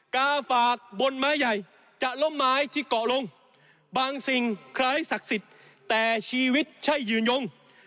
กาฝากบนไม้ใหญ่จะล้มไม้ที่เกาะลงบางสิ่งคล้ายศักดิ์สิทธิ์แต่ชีวิตใช่ยืนยง